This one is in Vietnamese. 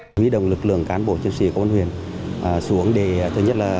quý đồng lực lượng cán bộ chương trình công an huyền xuống để thứ nhất là